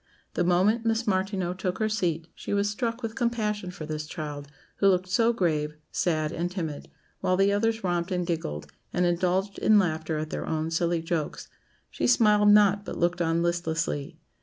The moment Miss Martineau took her seat she was struck with compassion for this child, who looked so grave, sad, and timid, while the others romped and giggled, and indulged in laughter at their own silly jokes; she smiled not, but looked on listlessly.